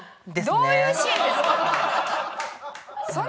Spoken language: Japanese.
どういうシーンですか？